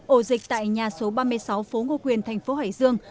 ổ dịch tại nhà số ba mươi sáu phố ngô quyền thành phố hải dương